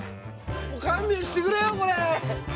もう勘弁してくれよ、これ。